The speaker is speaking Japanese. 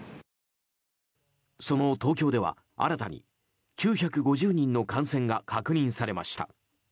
その東京では、新たに９５０人の感染が確認されました。